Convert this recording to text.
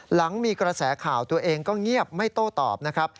หลังมีกระแสข่าวตัวเองก็เงียบไม่โต้ตอบนะครับ